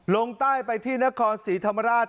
ลงใต้ไปที่นครศรีธรรมราช